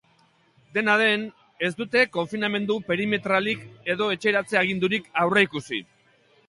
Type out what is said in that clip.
Dena den, ez dute konfinamendu perimetralik edo etxeratze agindurik aurreikusi.